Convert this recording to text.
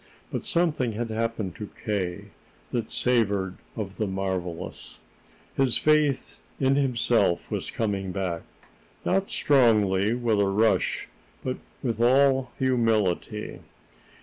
But something had happened to K. that savored of the marvelous. His faith in himself was coming back not strongly, with a rush, but with all humility.